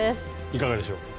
いかがでしょう。